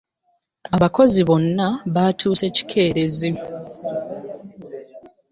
Abakozi bonna batuuse kikeerezi.